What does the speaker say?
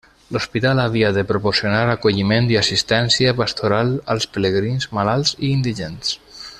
L'hospital havia de proporcionar acolliment i assistència pastoral als pelegrins, malalts i indigents.